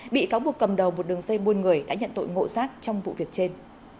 bị cáo buộc cầm đầu một đường dây buôn người đã nhận tội ngộ sát trong vụ việc trên